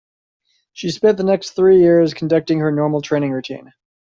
She spent the next three years conducting her normal training routine.